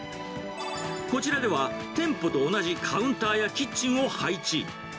こちらでは、店舗と同じカウンターやキッチンを配置。